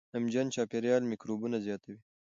نمجن چاپېریال میکروبونه زیاتوي.